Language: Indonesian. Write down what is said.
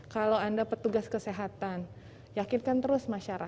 kalau anda petugas kesehatan beritakanlah berita yang benar yang berimbang yang akurat